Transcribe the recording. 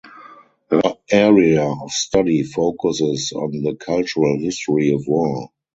Her area of study focuses on the cultural history of war.